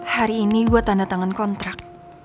hari ini gue tanda tangan kontrak